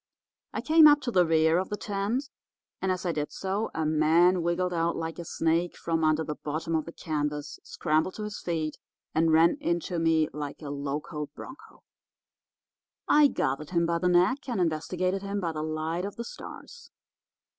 I came up to the rear of the tent, and, as I did so, a man wiggled out like a snake from under the bottom of the canvas, scrambled to his feet, and ran into me like a locoed bronco. I gathered him by the neck and investigated him by the light of the stars.